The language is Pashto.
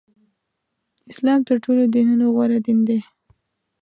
اسلام تر ټولو دینونو غوره دین دی.